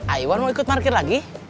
aywan mau ikut market lagi